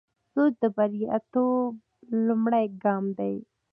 سوچ د بریالیتوب لومړی ګام دی.